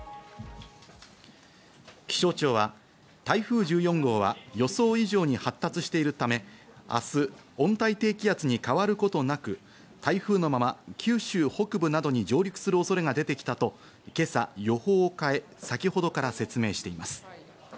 気象庁は台風１４号は予想以上に発達しているため、明日、温帯低気圧に変わることなく、台風のまま九州北部などに上陸する恐れが出てきたと今朝予報を変え、先ほどから説明しています。